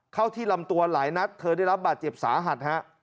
เข้าที่ลำตัวหลายนัดเธอได้รับบาดเจ็บสาหัสฮะ